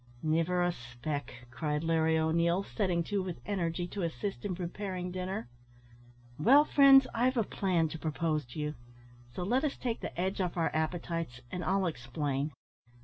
"Niver a speck," cried Larry O'Neil, setting to with energy to assist in preparing dinner. "Well, friends, I've a plan to propose to you, so let us take the edge off our appetites, and I'll explain."